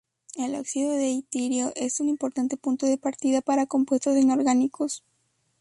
El óxido de itrio es un importante punto de partida para compuestos inorgánicos.